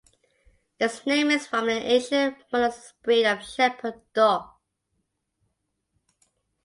Its name is from the ancient Molossus breed of shepherd dog.